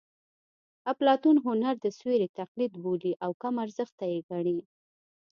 اپلاتون هنر د سیوري تقلید بولي او کم ارزښته یې ګڼي